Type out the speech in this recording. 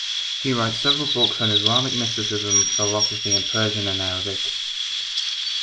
He wrote several books on Islamic mysticism and philosophy in Persian and Arabic.